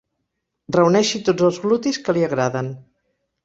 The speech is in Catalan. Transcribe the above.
Reuneixi tots els glutis que li agraden.